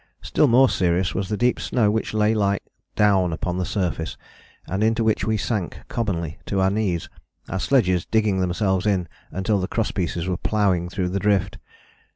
Still more serious was the deep snow which lay like down upon the surface, and into which we sank commonly to our knees, our sledges digging themselves in until the crosspieces were ploughing through the drift.